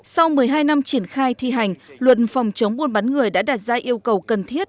sau một mươi hai năm triển khai thi hành luật phòng chống buôn bán người đã đạt ra yêu cầu cần thiết